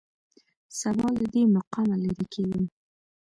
سبا له دې مقامه لېرې کېږم.